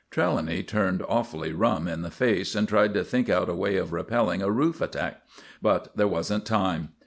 Trelawny turned awfully rum in the face, and tried to think out a way of repelling a roof attack; but there wasn't time.